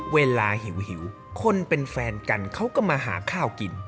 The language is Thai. หิวคนเป็นแฟนกันเขาก็มาหาข้าวกิน